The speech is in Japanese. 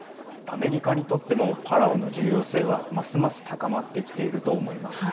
アメリカにとってもパラオの重要性はますます高まってきていると思います。